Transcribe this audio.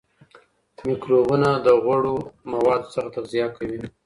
میکروبونه د غوړو موادو څخه تغذیه کوي.